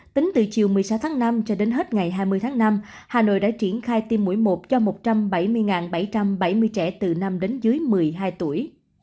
tính từ chiều một mươi sáu tháng năm cho đến hết ngày hai mươi tháng năm hà nội đã triển khai tiêm mũi một cho một trăm bảy mươi bảy trăm bảy mươi trẻ từ năm đến dưới một mươi hai tuổi